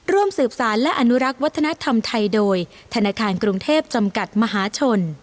ร่วมสืบสารและอนุรักษ์วัฒนธรรมไทยโดยธนาคารกรุงเทพจำกัดมหาชน